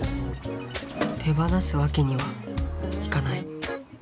手放すわけにはいかない。